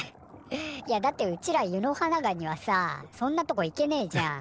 いやだってうちらユノハナガニはさそんなとこ行けねえじゃん。